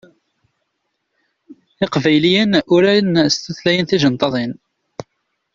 Iqbayliyen uran s tutlayin tijenṭaḍin.